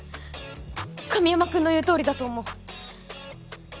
神山くんの言うとおりだと思う